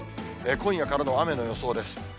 今夜からの雨の予想です。